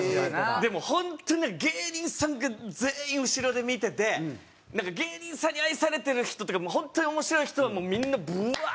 でも本当に芸人さんが全員後ろで見てて芸人さんに愛されてる人とかもう本当に面白い人はみんなブワー！